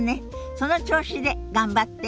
その調子で頑張って！